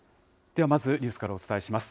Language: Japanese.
ではまず、ニュースからお伝えします。